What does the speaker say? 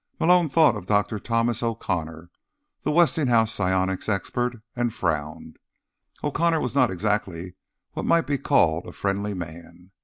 Malone thought of Dr. Thomas O'Connor, the Westinghouse psionics expert and frowned. O'Connor was not exactly what might be called a friendly man.